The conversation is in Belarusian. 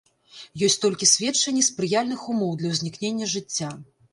Ёсць толькі сведчанні спрыяльных умоў для ўзнікнення жыцця.